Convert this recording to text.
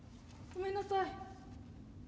ごめんなさい。